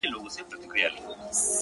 • لار چي کله سي غلطه له سړیو,